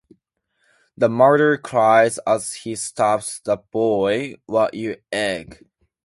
The murderer cries as he stabs the boy, What, you egg!